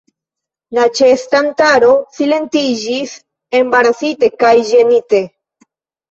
La ĉeestantaro silentiĝis, embarasite kaj ĝenite.